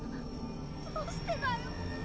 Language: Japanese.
どうしてだよ